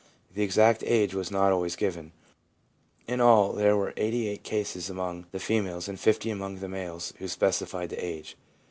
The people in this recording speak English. The exact age was not always given ; in all there were 88 cases among the females and 50 among the males who specified the age.